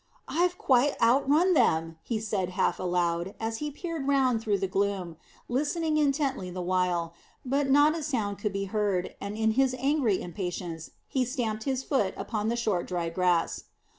"I've quite out run them," he said, half aloud, as he peered round through the gloom, listening intently the while, but not a sound could be heard, and in his angry impatience he stamped his foot upon the short dry grass.